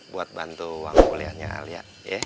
buat bantu uang kuliahnya alia